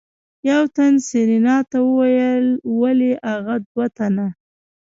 يو تن سېرېنا ته وويل ولې اغه دوه تنه.